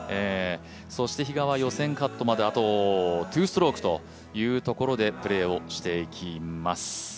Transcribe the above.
そして比嘉は予選カップまであと２ストロークというところでプレーをしていきます。